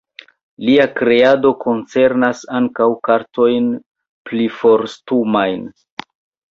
Lia kreado koncernas ankaŭ kartojn priforstumajn.